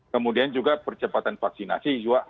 kemudian juga percepatan vaksinasi juga